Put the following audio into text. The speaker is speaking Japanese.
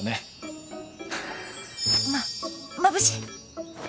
ままぶしっ！